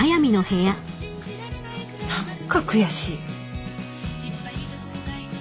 何か悔しい。